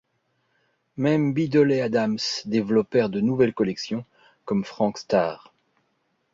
Même Beadle & Adams développèrent de nouvelles collections, comme Frank Starr.